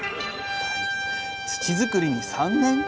土づくりに３年？